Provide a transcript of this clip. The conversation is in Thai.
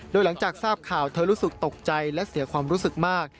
โดยหลังจากทราบข่าวเธอรู้สึกตกใจและเสียความรู้สึกมาก